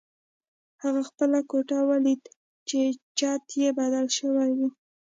هغه خپله کوټه ولیده چې چت یې بدل شوی و